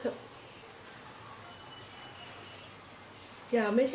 แล้วบอกว่าไม่รู้นะ